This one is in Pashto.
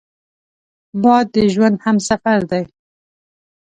باد د ژوند همسفر دی